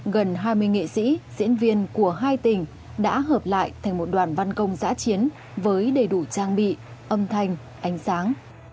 gần hai mươi nghệ sĩ diễn viên của hai tỉnh đã hợp lại thành một đoàn văn công giã chiến với đầy đủ trang bị âm thanh ánh sáng